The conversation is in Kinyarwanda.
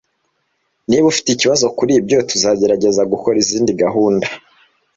Niba ufite ikibazo kuri ibyo, tuzagerageza gukora izindi gahunda.